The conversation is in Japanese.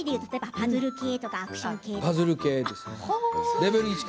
パズル系とかアクションとか。